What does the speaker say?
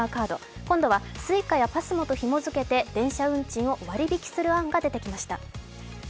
今度はＳｕｉｃａやＰＡＳＭＯとひもづけて電車運賃を割引する案が出てきました。